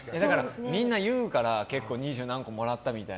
みんな言うから結構、二十何個もらったとか。